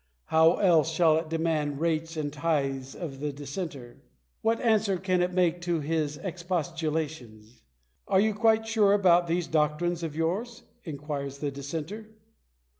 How else shall it demand rates and tithes of the dissenter? What answer can it make to his expostulations? "Are you quite sure about these doctrines of yours ?" inquires the dissenter.